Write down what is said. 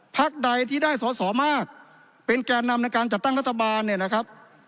ใดที่ได้สอสอมากเป็นแก่นำในการจัดตั้งรัฐบาลเนี่ยนะครับ